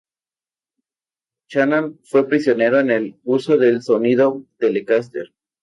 Buchanan fue pionero en el uso del sonido Telecaster.